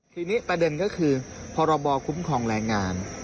ทีนี้ประเด็นก็คือพรบคุ้มครองแรงงาน